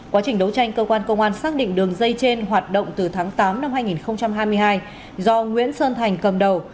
quá trình đấu tranh cơ quan công an xác định đường dây trên hoạt động từ tháng tám năm hai nghìn hai mươi hai do nguyễn sơn thành cầm đầu